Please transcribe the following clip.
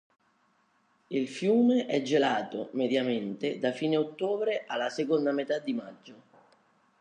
Il fiume è gelato, mediamente, da fine ottobre alla seconda metà di maggio.